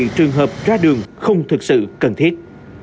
các đơn vị trường hợp ra đường không thực sự cần thiết